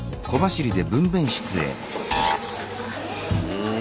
うん。